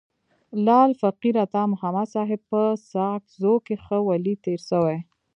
لعل فقیر عطا محمد صاحب په ساکزو کي ښه ولي تیر سوی.